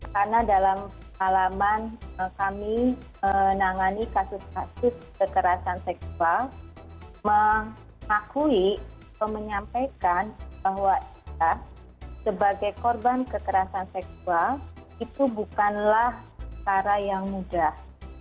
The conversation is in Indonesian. karena dalam alaman kami menangani kasus kasus kekerasan seksual mengakui atau menyampaikan bahwa kita sebagai korban kekerasan seksual itu bukanlah cara yang mudah